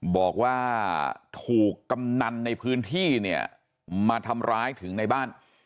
บอกว่าถูกกำนันในพื้นที่เนี่ยมาทำร้ายถึงในบ้าน